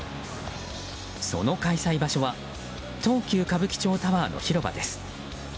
その開催場所は東急歌舞伎町タワーの広場です。